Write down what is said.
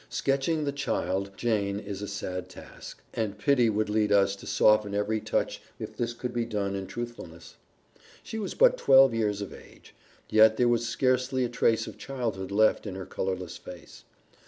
Sketching the child Jane is a sad task, and pity would lead us to soften every touch if this could be done in truthfulness. She was but twelve years of age, yet there was scarcely a trace of childhood left in her colorless face.